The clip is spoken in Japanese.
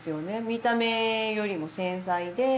見た目よりも繊細で。